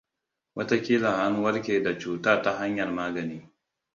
Wataƙila an warke da cutar ta hanyar magani.